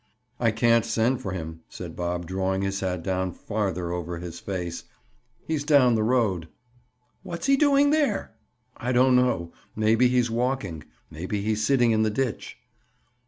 "I can't send for him," said Bob drawing his hat down farther over his face. "He's down the road." "What's he doing there?" "I don't know. Maybe, he's walking; maybe, he's sitting in the ditch."